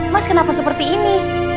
mas kenapa seperti ini